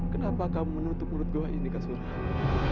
kenapa kamu menutup mulut gue ini kasurah